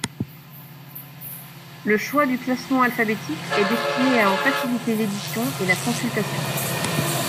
Le choix du classement alphabétique est destiné à en faciliter l'édition et la consultation.